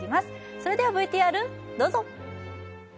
それではＶＴＲどうぞ！